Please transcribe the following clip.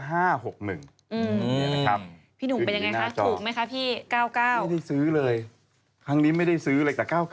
พี่หนูเป็นไงฮะถูกมั้ยครับพี่๙๙ไม่ได้ซื้อเลยครั้งนี้ไม่ได้ซื้อเลยแต่๙๙